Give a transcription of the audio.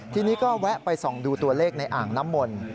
ทีนี้ก็แวะไปส่องดูตัวเลขในอ่างน้ำมนต์